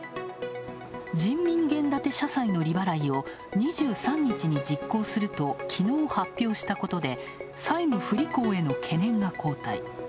人民元建て社債の利払いを２３日に実行するときのう発表したことで債務不履行への懸念が後退。